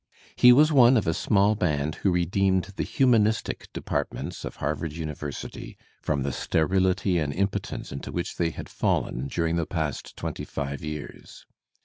He was one of a small band who redeemed the "humanistic departments of Harvard Uni /'Nrersity from the sterility and impotence into which they had fallen during the past twenty five years.